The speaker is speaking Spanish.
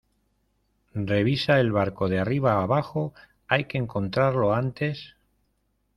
revisa el barco de arriba a abajo, hay que encontrarlo antes